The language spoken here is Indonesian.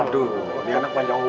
bisa diomong aja deh